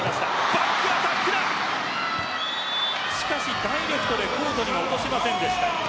バックアタックですがダイレクトにコートに落としませんでした。